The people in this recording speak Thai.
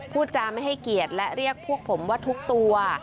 พูดจาไม่ให้เกียรติและเรียกพวกผมว่าทุกตัว